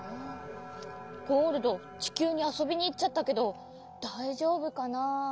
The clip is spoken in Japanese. ゴールドちきゅうにあそびにいっちゃったけどだいじょうぶかな？